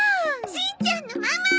しんちゃんのママ！